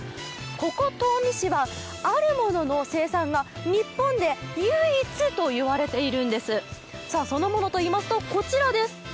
ここ東御市はあるものの生産が日本で唯一と言われているんです、そのものと言いますと、こちらです。